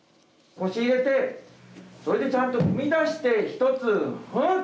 腰入れて、それでちゃんと踏み出して。